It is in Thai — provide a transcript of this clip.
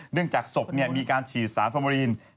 เนื่องจากศพมีการฉีดสารฟอร์มอลีน